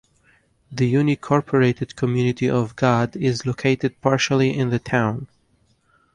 The unincorporated community of Gad is located partially in the town.